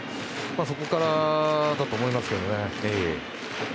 そこからだと思いますけどね。